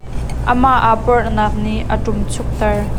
Amah aa pawrhnak nih a ṭumchuk ter.